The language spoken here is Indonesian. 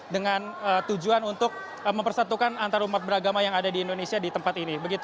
dengan tujuan untuk mempersatukan antarumat beragama yang ada di indonesia di tempat ini